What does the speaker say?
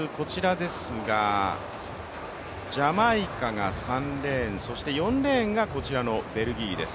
ジャマイカが３レーン、そして４レーンがこちらのベルギーです